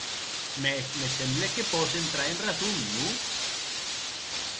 Mès me semble que pòs entrar en rason, non?